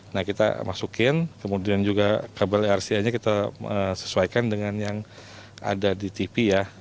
nah kita masukin kemudian juga kabel rca nya kita sesuaikan dengan yang ada di tv ya